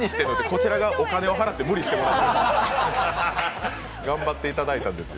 こちらがお金を払って無理してもらってるんです。